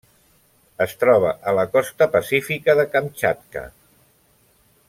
Es troba a la costa pacífica de Kamtxatka.